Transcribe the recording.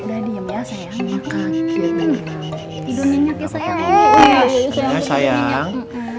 udah diem ya sayang